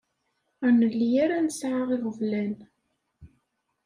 Ur nelli ara nesɛa iɣeblan.